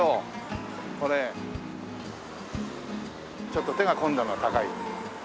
ちょっと手が込んだのは高い。